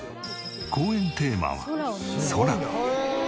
講演テーマは空。